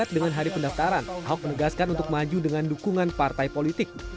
dengan hari pendaftaran ahok menegaskan untuk maju dengan dukungan partai politik